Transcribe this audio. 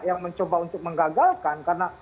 yang mencoba untuk menggagalkan karena